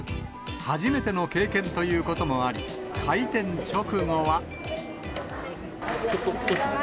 初めての経験ということもあり、開店直後は。